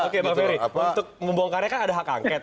oke pak ferry untuk membongkarnya kan ada akangket